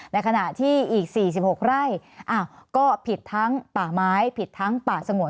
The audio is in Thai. ในขณะที่อีก๔๖ไร่ก็ผิดทั้งป่าไม้ผิดทั้งป่าสงวน